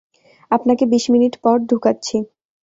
আপনাকে বিশ মিনিট পর ঢুকাচ্ছি।